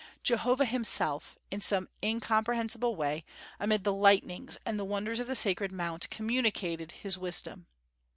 Jehovah himself, in some incomprehensible way, amid the lightnings and the wonders of the sacred Mount, communicated His wisdom.